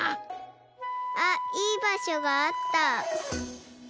あっいいばしょがあった。